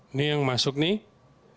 ini yang masuk nih